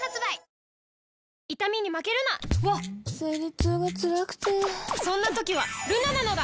わっ生理痛がつらくてそんな時はルナなのだ！